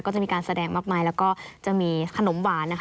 ก็จะมีการแสดงมากมายแล้วก็จะมีขนมหวานนะคะ